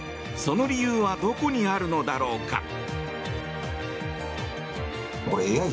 その理由はどこにあるのだろうか。